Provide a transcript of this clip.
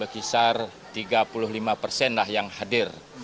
kisar tiga puluh lima persen lah yang hadir